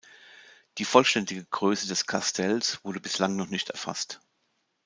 Die vollständige Größe des Kastells wurde bislang noch nicht erfasst.